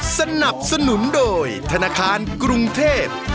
สนับสนุนโดยธนาคารกรุงเทพ